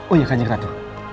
oh iya kan jem keratu